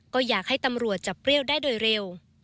ก็อยากให้ตำรวจจับเปรี้ยวได้โดยเร็ว